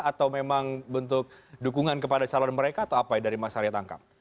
atau memang bentuk dukungan kepada calon mereka atau apa dari masyarakat angka